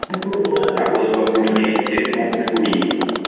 ahozwa ku nkeke n'umukuriye